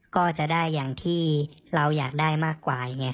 ก็จะได้อย่างที่เราอยากได้มากกว่า